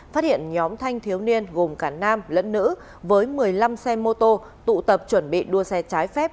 phát hiện nhóm thanh thiếu niên gồm cả nam lẫn nữ với một mươi năm xe mô tô tụ tập chuẩn bị đua xe trái phép